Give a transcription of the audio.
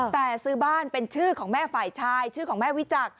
แต่ซื้อบ้านเป็นชื่อของแม่ฝ่ายชายชื่อของแม่วิจักษ์